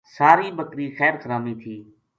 سار ی بکری خیر خرامی تھی